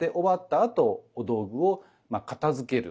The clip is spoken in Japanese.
あとお道具を片づける。